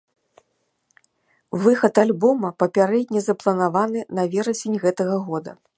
Выхад альбома папярэдне запланаваны на верасень гэтага года.